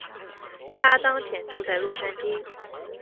她当前住在洛杉矶。